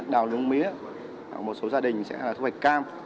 trồng mía một số gia đình sẽ là thu hoạch cam